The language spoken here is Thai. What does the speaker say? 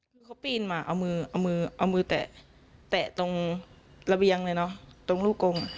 เขาปีนมาเอามือแตะตรงระเบียงเลยนะตรงรูปกรง